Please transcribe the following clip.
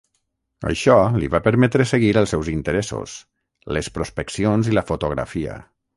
Això li va permetre seguir els seus interessos: les prospeccions i la fotografia.